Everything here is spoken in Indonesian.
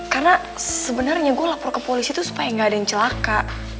karena sebenarnya gue lapor ke polisi tuh supaya gak ada yang celaka